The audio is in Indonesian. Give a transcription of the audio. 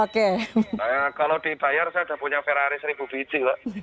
kalau dibayar saya sudah punya ferrari seribu biji pak